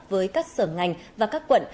với các sở ngành và các quận